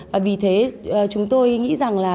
và vì thế chúng tôi nghĩ rằng là